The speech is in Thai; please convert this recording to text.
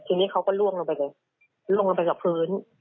ทีนี้เขาก็ล่วงลงไปเลยล่วงลงไปกับพื้น